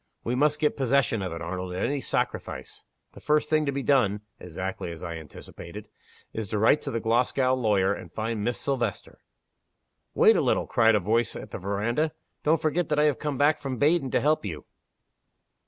We must get possession of it, Arnold, at any sacrifice. The first thing to be done (exactly as I anticipated), is to write to the Glasgow lawyer, and find Miss Silvester." "Wait a little!" cried a voice at the veranda. "Don't forget that I have come back from Baden to help you!"